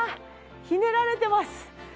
ひねられてます。